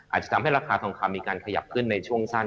อาจจะทำให้ราคาทองคำมีการขยับขึ้นในช่วงสั้น